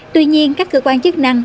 tuy nhiên các cơ quan chức năng